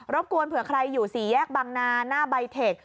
กวนเผื่อใครอยู่สี่แยกบังนาหน้าใบเทค